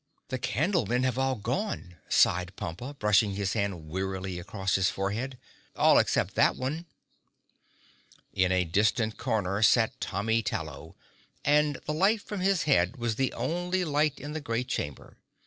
"The Candlemen have all gone," sighed Pompa, brushing his hand wearily across his forehead. "All except that one." In a distant corner sat Tommy Tallow and the light from his head was the only light in the great chamber.